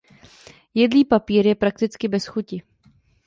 Jedlý papír je prakticky bez chuti.